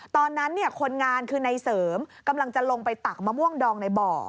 ตอนนั้นคนงานคือในเสริมกำลังจะลงไปตักมะม่วงดองในบ่อ